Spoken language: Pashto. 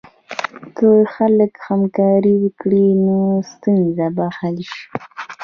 که خلک همکاري وکړي، نو ستونزه به حل شي.